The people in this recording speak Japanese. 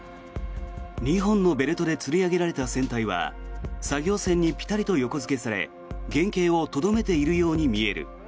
２本のベルトでつり上げられた船体は作業船にピタリと横付けされ原形をとどめているように見える。